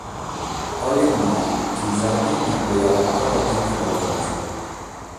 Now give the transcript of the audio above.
Bolet nàrrere chi in Sardigna ddoe at ancora gente valorosa.